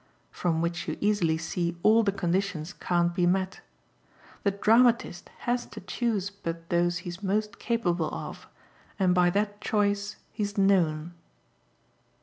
From which you easily see ALL the conditions can't be met. The dramatist has to choose but those he's most capable of, and by that choice he's known."